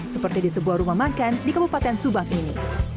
seperti di sebuah rumah makan di kabupaten subang ini